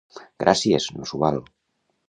—Gràcies! —No s'ho val.